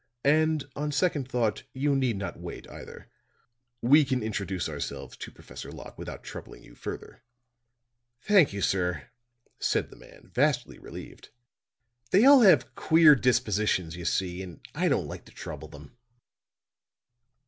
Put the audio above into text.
And, on second thought, you need not wait, either. We can introduce ourselves to Professor Locke without troubling you further." "Thank you, sir," said the man, vastly relieved. "They all have queer dispositions, you see, and I don't like to trouble them."